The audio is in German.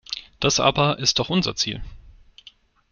Das aber ist doch unser Ziel.